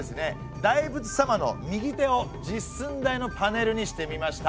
大仏様の右手を実寸大のパネルにしてみました。